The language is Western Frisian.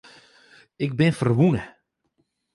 Ik bin ferwûne.